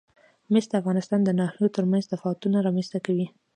مس د افغانستان د ناحیو ترمنځ تفاوتونه رامنځ ته کوي.